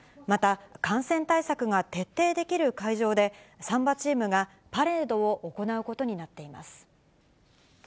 また、感染対策が徹底できる会場で、サンバチームがパレードを行うことになっています。